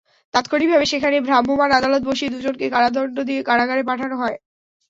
তাৎক্ষণিকভাবে সেখানে ভ্রাম্যমাণ আদালত বসিয়ে দুজনকে কারাদণ্ড দিয়ে কারাগারে পাঠানো হয়।